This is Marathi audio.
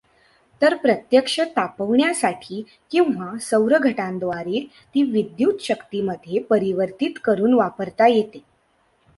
तर प्रत्यक्ष तापवण्यासाठी किंवा सौरघटांद्वारे ती विद्युतशक्तीमध्ये परिवर्तीत करून वापरता येते.